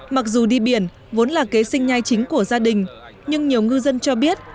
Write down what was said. mặc dù đi biển vốn là kế sinh nhai chính của gia đình nhưng nhiều ngư dân cho biết